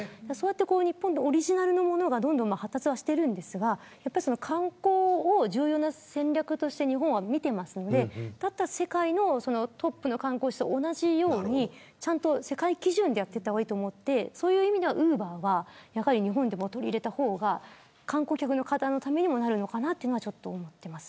日本でオリジナルのものがどんどん発達しているんですが観光を重要な戦略として日本は見ているので世界のトップの観光地と同じように世界基準でやっていった方がいいと思って、そういう意味ではウーバーは日本でも取り入れた方が観光客の方のためにもなるのかなと思っています。